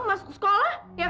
masuk sekolah ya kan